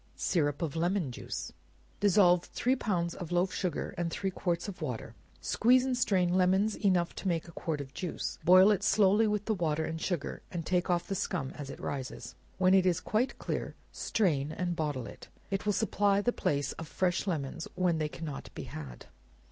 Syrup of Lemon Juice. Dissolve three pounds of loaf sugar in three quarts of water, squeeze and strain lemons enough to make a quart of juice; boil it slowly with the water and sugar, and take off the scum as it rises; when it is quite clear, strain and bottle it. It will supply the place of fresh lemons when they cannot be had.